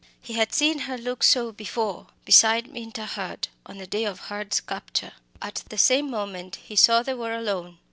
He had seen her look so once before beside Minta Hurd, on the day of Hurd's capture. At the same moment he saw that they were alone.